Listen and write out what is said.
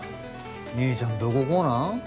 兄ちゃんどこ高なん？